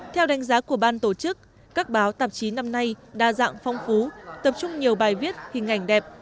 theo đánh giá của ban tổ chức các báo tạp chí năm nay đa dạng phong phú tập trung nhiều bài viết hình ảnh đẹp